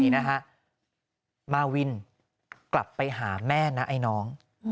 นี่นะฮะมาวินกลับไปหาแม่นะไอ้น้อง